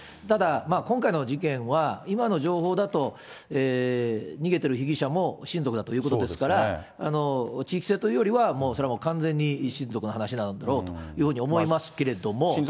ただ、今回の事件は、今の情報だと、逃げてる被疑者も親族だということですから、地域性というよりは、もうそれは完全に親族の話だろうというふうに思いますけれども。